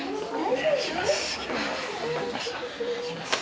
お願いします。